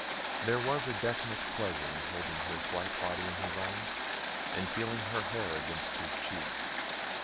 There was a definite pleasure in holding her slight body in his arms and feeling her hair against his cheek.